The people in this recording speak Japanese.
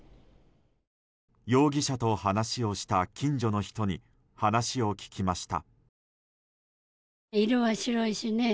容疑者と話をした近所の人に話を聞きました。